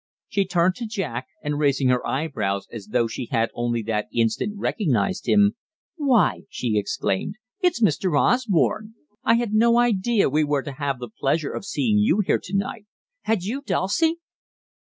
She turned to Jack, and, raising her eye brows as though she had only that instant recognized him, "Why," she exclaimed, "it's Mr. Osborne! I had no idea we were to have the pleasure of seeing you here to night had you, Dulcie?"